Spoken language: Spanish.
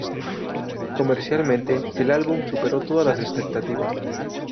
Comercialmente, el álbum superó todas las expectativas.